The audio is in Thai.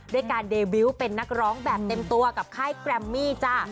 ด้วยการเดบิวต์เป็นนักร้องแบบเต็มตัวกับค่ายแกรมมี่จ้ะ